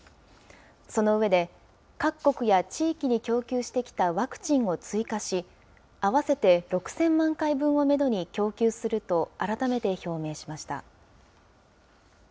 その上で、各国や地域に供給してきたワクチンを追加し、合わせて６０００万回分をメドに供給すると改めて表明しました。